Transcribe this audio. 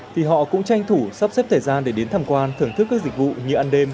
thì họ cũng tranh thủ sắp xếp thời gian để đến tham quan thưởng thức các dịch vụ như ăn đêm